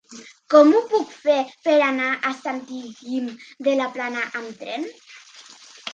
Com ho puc fer per anar a Sant Guim de la Plana amb tren?